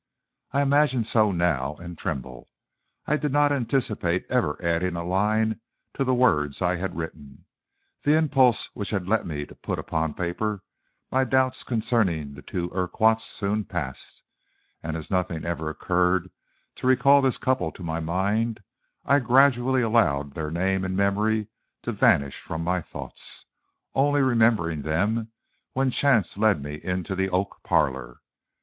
I imagine so now, and tremble. I did not anticipate ever adding a line to the words I had written. The impulse which had led me to put upon paper my doubts concerning the two Urquharts soon passed, and as nothing ever occurred to recall this couple to my mind, I gradually allowed their name and memory to vanish from my thoughts, only remembering them when chance led me into the oak parlor.